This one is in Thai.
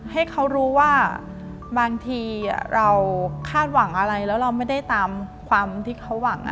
ให้เขารู้ว่าบางทีเราคาดหวังอะไรแล้วเราไม่ได้ตามความที่เขาหวัง